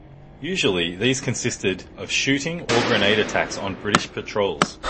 Usually, these consisted of shooting or grenade attacks on British patrols.